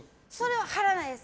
貼らないです。